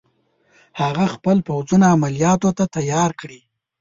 هغه خپل پوځونه عملیاتو ته تیار کړي.